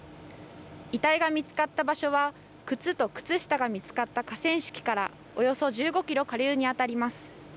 遺体が見つかった場所は靴と靴下が見つかった河川敷からおよそ１５キロ下流にあたります。